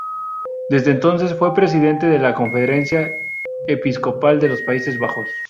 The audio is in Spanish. Desde entonces, fue presidente de la Conferencia Episcopal de los Países Bajos.